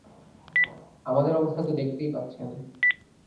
আমাদের অবস্থা তো দেখতেই পাচ্ছেন।